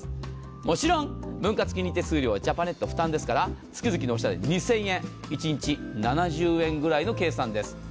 もちろん分割金利手数料はジャパネット負担ですから、月々のお支払い２０００一日７０円ぐらいの計算です。